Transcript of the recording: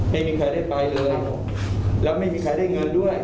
ไม่มีใครได้ไปเลยแล้วไม่มีใครได้เงินด้วย